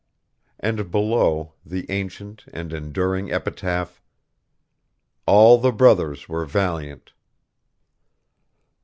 And below, the ancient and enduring epitaph: "'All the brothers were valiant.'"